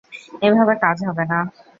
এভাবে কাজ হবে না।